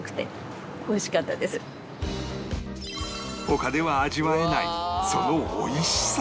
他では味わえないその美味しさ